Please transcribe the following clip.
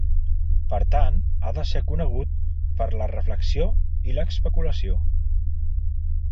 Per tant, ha de ser conegut per la reflexió i l'especulació.